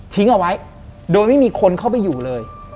เอาไว้โดยไม่มีคนเข้าไปอยู่เลย